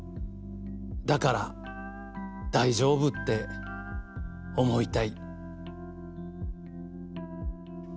だから大丈夫って思いたい」。